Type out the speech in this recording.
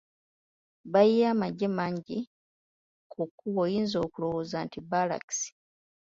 Bayiye amagye mangi ku kkubo oyinza okulowooza nti bbaalakisi.